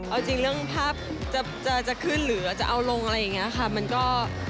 เอาจริงเรื่องภาพจะขึ้นหรือจะเอาลงอะไรอย่างนี้ค่ะ